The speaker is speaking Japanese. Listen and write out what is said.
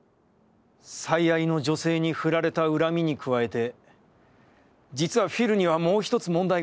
最愛の女性にフラれた恨みに加えて、じつはフィルにはもう一つ問題があった。